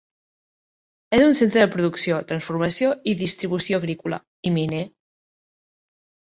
És un centre de producció, transformació i distribució agrícola i miner.